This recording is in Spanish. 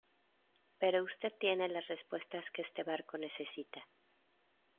pero usted tiene las respuestas que este barco necesita